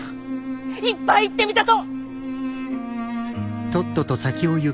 いっぱい言ってみたと！